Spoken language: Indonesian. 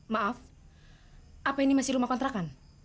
maaf apa ini masih rumah kontrakan